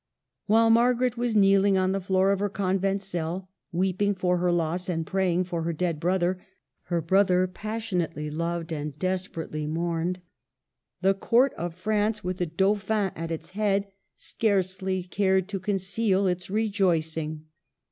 While Margaret was kneeling on the floor of her convent cell, weeping for her loss and pray ing for her dead brother, — her brother pas sionately loved and desperately mourned, — the Court of France, with the Dauphin at its head, scarcely cared to conceal its rejoicing.